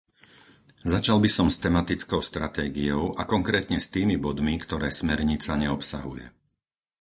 Začal by som s tematickou stratégiou a konkrétne s tými bodmi, ktoré smernica neobsahuje.